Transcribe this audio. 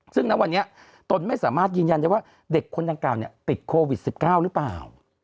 ซึ่งณวันนี้ตนไม่สามารถยืนยันได้ว่าเด็กคนดังกล่าวติดโควิด๑๙หรือเปล่า